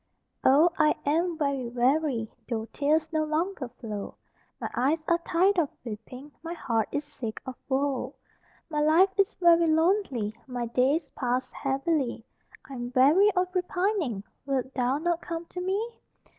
Oh, I am very weary, Though tears no longer flow; My eyes are tired of weeping, My heart is sick of woe; My life is very lonely My days pass heavily, I'm weary of repining; Wilt thou not come to me?